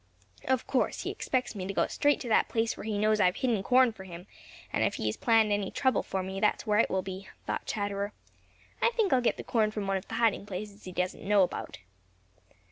"Of course, he expects me to go straight to that place where he knows I have hidden corn for him, and if he has planned any trouble for me, that is where it will be," thought Chatterer. "I think I'll get the corn from one of the hiding places he doesn't know about."